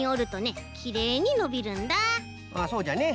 ああそうじゃね